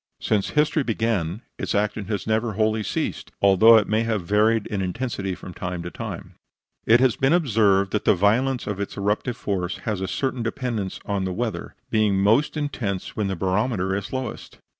Since history began its action has never wholly ceased, although it may have varied in intensity from time to time. It has been observed that the violence of its eruptive force has a certain dependence on the weather being always most intense when the barometer is lowest.